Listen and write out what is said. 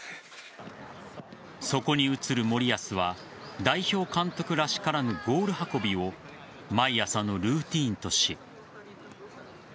そこに映る森保は代表監督らしからぬゴール運びを毎朝のルーティンとし。